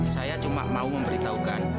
saya cuma mau memberitahukan